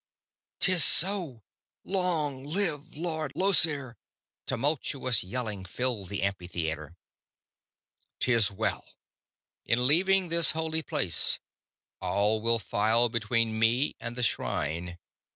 "'Tis so! Long live Lord Llosir!" Tumultuous yelling filled the amphitheater. "'Tis well. In leaving this holy place all will file between me and the shrine.